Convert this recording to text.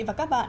và các bạn